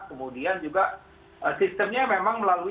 kemudian juga sistemnya memang melalui